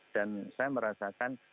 dan saya merasakan